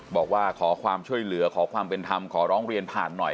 บอกว่าขอความช่วยเหลือขอความเป็นธรรมขอร้องเรียนผ่านหน่อย